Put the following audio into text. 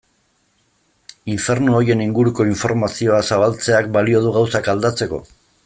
Infernu horien inguruko informazioa zabaltzeak balio du gauzak aldatzeko?